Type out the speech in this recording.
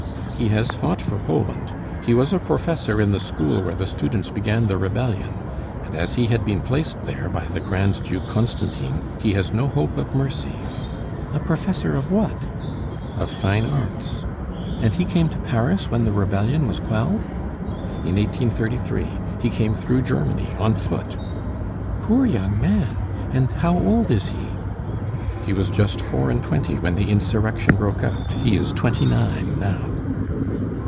"He has fought for Poland. He was a professor in the school where the students began the rebellion; and as he had been placed there by the Grand Duke Constantine, he has no hope of mercy " "A professor of what?" "Of fine arts." "And he came to Paris when the rebellion was quelled?" "In 1833. He came through Germany on foot." "Poor young man! And how old is he?" "He was just four and twenty when the insurrection broke out he is twenty nine now."